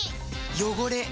汚れ。